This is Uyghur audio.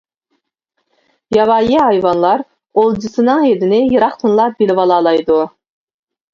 ياۋايى ھايۋانلار ئولجىسىنىڭ ھىدىنى يىراقتىنلا بىلىۋالالايدۇ.